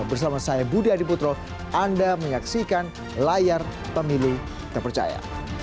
bersama saya budi adiputro anda menyaksikan layar pemilu terpercaya